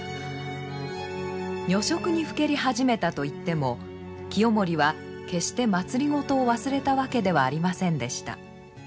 女色にふけり始めたといっても清盛は決して政を忘れたわけではありませんでした。